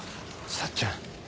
幸ちゃん